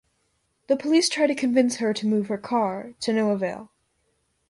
The police try to convince her to move her car, to no avail.